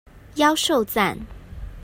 妖受讚